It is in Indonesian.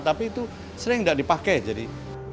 tapi itu sering tidak dipakai jadi